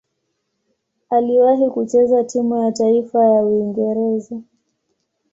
Aliwahi kucheza timu ya taifa ya Uingereza.